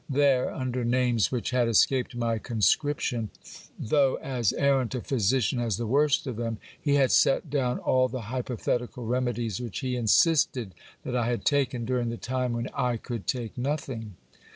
There, under names which had escaped my conscription, though as arrant a physician as the worst of them, he had set down all the hypothetical remedies which he insisted that I had taken during the time when I could take nothing.